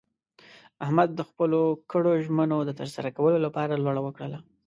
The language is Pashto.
احمد د خپلو کړو ژمنو د ترسره کولو لپاره لوړه وکړله.